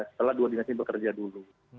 setelah dua dinas ini bekerja dulu